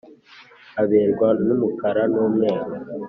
Aberwa numukara n’umweru